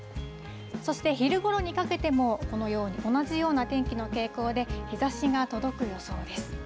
そして昼ごろにかけても、このように、同じような天気の傾向で、日ざしが届く予想です。